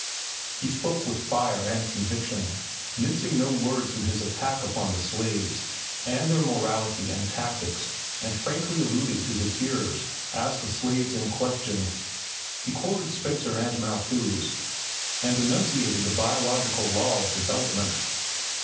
He spoke with fire and conviction, mincing no words in his attack upon the slaves and their morality and tactics and frankly alluding to his hearers as the slaves in question. He quoted Spencer and Malthus, and enunciated the biological law of development.